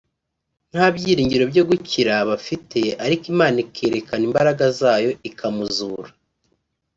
nta byiringiro byo gukira bafite ariko Imana ikerekana imbaraga zayo ikamuzura